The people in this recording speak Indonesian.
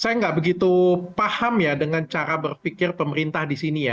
saya nggak begitu paham ya dengan cara berpikir pemerintah di sini ya